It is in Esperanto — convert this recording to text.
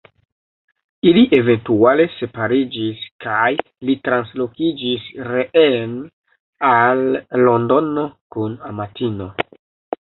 Ili eventuale separiĝis kaj li translokiĝis reen al Londono kun amatino.